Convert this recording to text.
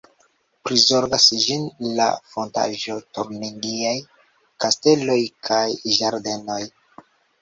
Prizorgas ĝin la "Fondaĵo Turingiaj Kasteloj kaj Ĝardenoj.